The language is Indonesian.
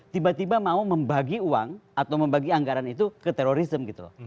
tiba tiba mau membagi uang atau membagi anggaran itu ke terorisme gitu